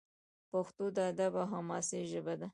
پښتو د ادب او حماسې ژبه ده.